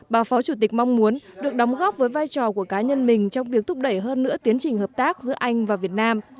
bà phó chủ tịch mong muốn được đóng góp với vai trò của cá nhân mình trong việc thúc đẩy hơn nữa tiến trình hợp tác giữa anh và việt nam